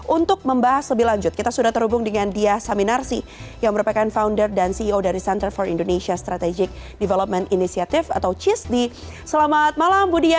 untuk membahas lebih lanjut kita sudah terhubung dengan dia saminarsi yang merupakan founder dan ceo dari center for indonesia strategic development initiative atau cisd